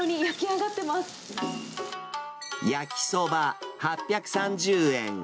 やきそば８３０円。